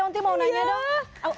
om ti mau nanya dong